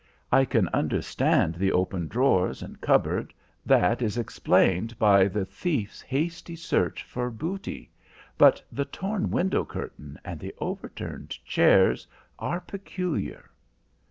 I can understand the open drawers and cupboard; that is explained by the thief's hasty search for booty. But the torn window curtain and the overturned chairs are peculiar.